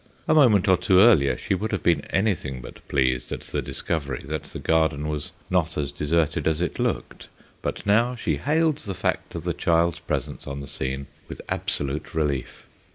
A moment or two earlier she would have been anything but pleased at the discovery that the garden was not as deserted as it looked, but now she hailed the fact of the child's presence on the scene with absolute relief.